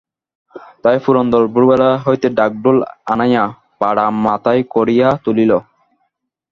তাই পুরন্দর ভোরবেলা হইতে ঢাক-ঢোল আনাইয়া পাড়া মাথায় করিয়া তুলিল।